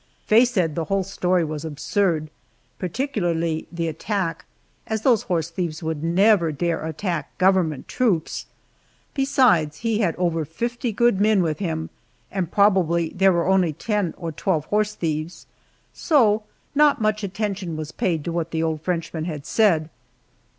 Faye said the whole story was absurd, particularly the attack, as those horse thieves would never dare attack government troops. Besides, he had over fifty good men with him, and probably there were only ten or twelve horse thieves. So not much attention was paid to what the old Frenchman had said.